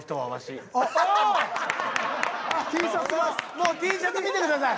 もうＴシャツ見てください！